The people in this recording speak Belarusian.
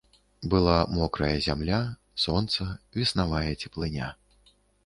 Была мокрая зямля, сонца, веснавая цеплыня.